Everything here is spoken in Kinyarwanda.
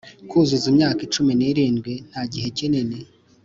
kuzuza imyaka cumi n'irindwi, nta gihe kinini,